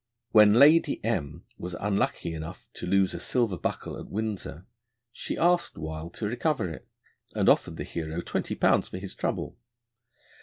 When Lady M n was unlucky enough to lose a silver buckle at Windsor, she asked Wild to recover it, and offered the hero twenty pounds for his trouble.